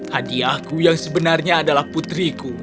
hadiahku yang sebenarnya adalah putriku